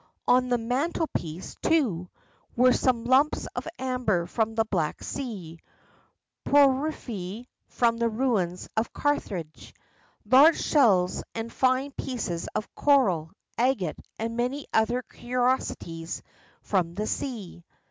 On the mantel piece, too, were some lumps of amber from the Black Sea, porphyry from the ruins of Carthage, large shells and fine pieces of coral, agate, and many other curiosities from the sea.